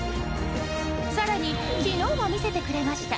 更に昨日も見せてくれました。